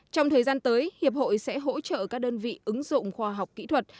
trong thời gian tới hiệp hội sẽ hỗ trợ các đơn vị ứng dụng khoa học kỹ thuật